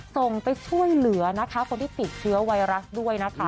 ส่งไปช่วยเหลือนะคะคนที่ติดเชื้อไวรัสด้วยนะคะ